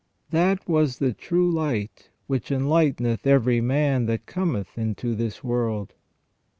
" That was the true light, which enlighteneth every man that cometh into this world."